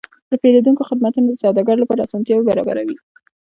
د پیرودونکو خدمتونه د سوداګرو لپاره اسانتیاوې برابروي.